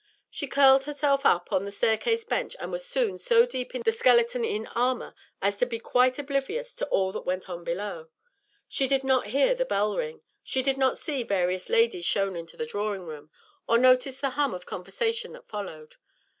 She curled herself up on the staircase bench, and was soon so deep in "The Skeleton in Armor" as to be quite oblivious to all that went on below. She did not hear the bell ring, she did not see various ladies shown into the drawing room, or notice the hum of conversation that followed.